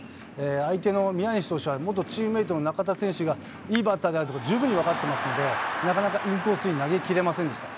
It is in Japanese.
相手の宮西投手は、元チームメートの中田選手が、いいバッターであるということを十分に分かってますので、なかなかインコースに投げきれませんでした。